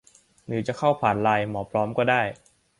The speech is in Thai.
หรือจะเข้าผ่านไลน์ หมอพร้อม ก็ได้